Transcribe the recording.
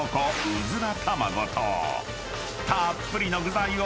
［たっぷりの具材を］